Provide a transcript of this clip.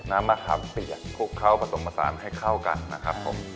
มะขามเปียกคลุกเคล้าผสมผสานให้เข้ากันนะครับผม